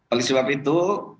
oleh sebab itu